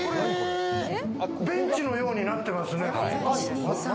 ベンチのようになってますね。